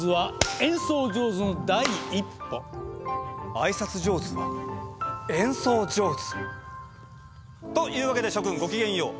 あいさつ上手は演奏上手？というわけで諸君ご機嫌よう。